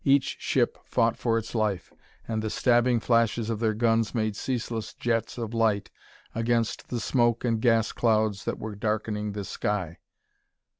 Each ship fought for its life, and the stabbing flashes of their guns made ceaseless jets of light against the smoke and gas clouds that were darkening the sky.